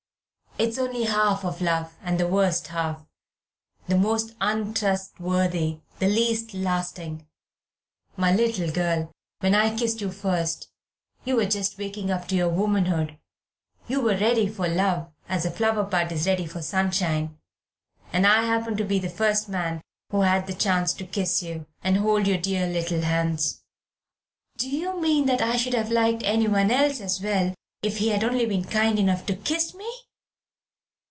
It's only half of love, and the worst half, the most untrustworthy, the least lasting. My little girl, when I kissed you first, you were just waking up to your womanhood, you were ready for love, as a flower bud is ready for sunshine, and I happened to be the first man who had the chance to kiss you and hold your dear little hands." "Do you mean that I should have liked anyone else as well if he had only been kind enough to kiss me?"